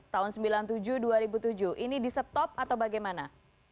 tahun sembilan puluh tujuh dua ribu tujuh ini di stop atau bagaimana